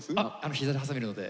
膝で挟めるので。